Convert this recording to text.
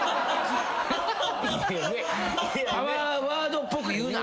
パワーワードっぽく言うな。